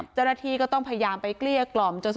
จริงก็ต้องพยายามไปเกลี้ยกล่อม